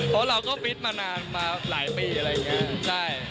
เพราะเราก็ฟิตมานานมาหลายปีอะไรอย่างนี้